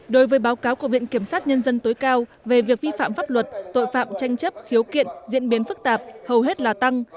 đối với báo cáo của viện kiểm sát nhân dân tối cao về việc vi phạm pháp luật tội phạm tranh chấp khiếu kiện diễn biến phức tạp hầu hết là tăng